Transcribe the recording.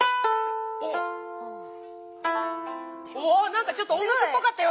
なんかちょっと音楽っぽかったよ